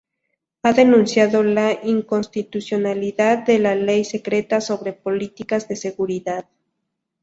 Ha denunciado la inconstitucionalidad de la ley secreta sobre políticas de seguridad.